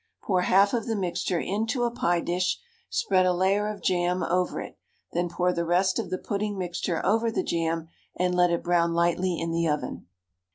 Pour half of the mixture into a pie dish, spread a layer of jam over it, then pour the rest of the pudding mixture over the jam, and let it brown lightly in the oven.